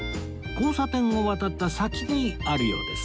交差点を渡った先にあるようです